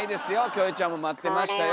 キョエちゃんも待ってましたよ